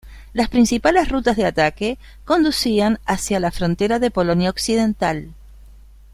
Las principales rutas de ataque conducían hacia la frontera de Polonia occidental.